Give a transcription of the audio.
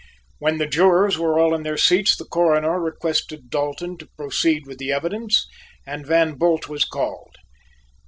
When the jurors were all in their seats the Coroner requested Dalton to proceed with the evidence and Van Bult was called.